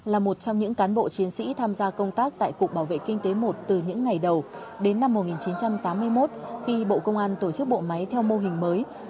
là một trong những cán bộ chiến sĩ tham gia công tác tại cục bảo vệ kinh tế một từ những ngày đầu đến năm một nghìn chín trăm tám mươi một khi bộ công an tổ chức bộ máy theo mô hình mới